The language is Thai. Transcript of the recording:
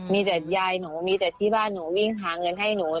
มีแต่ยายหนูมีแต่ที่บ้านหนูวิ่งหาเงินให้หนู